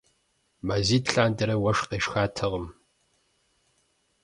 Мазитӏ лъандэрэ уэшх къешхатэкъым.